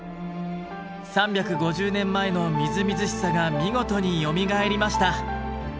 ３５０年前のみずみずしさが見事によみがえりました。